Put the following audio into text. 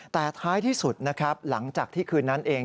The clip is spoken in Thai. แต่ท้ายที่สุดนะครับหลังจากที่คืนนั้นเอง